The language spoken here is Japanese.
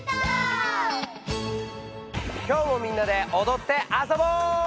今日もみんなでおどってあそぼう！